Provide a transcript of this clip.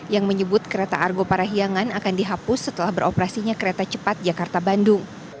yang menyebut kereta argo parahiangan akan dihapus setelah beroperasinya kereta cepat jakarta bandung